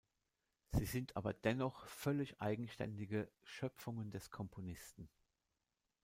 Sie sind aber dennoch völlig eigenständige Schöpfungen des Komponisten.